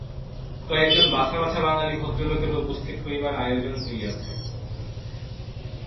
কয়েকজন বাছা বাছা বাঙালি ভদ্রলোকেরও উপস্থিত হইবার আয়োজন হইয়াছে।